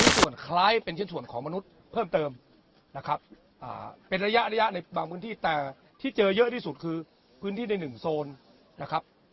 ส่วนคล้ายเป็นชิ้นส่วนของมนุษย์เพิ่มเติมนะครับเป็นระยะระยะในบางพื้นที่แต่ที่เจอเยอะที่สุดคือพื้นที่ในหนึ่งโซนนะครับ